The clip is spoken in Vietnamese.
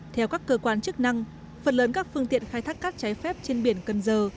theo các cơ quan chức năng phần lớn các phương tiện khai thác cát trái phép trên biển cần giờ